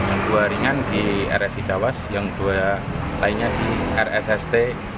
yang dua ringan di rsi cawas yang dua lainnya di rsst